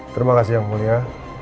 terima kasih yang mulia